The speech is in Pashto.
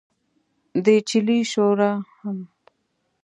د چیلې شوره هم غیر عضوي سره ده.